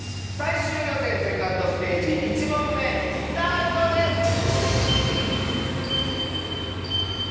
最終予選２ｎｄステージ１問目スタートです！